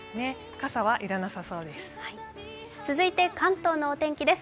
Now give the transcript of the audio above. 傘はいらなさそうです。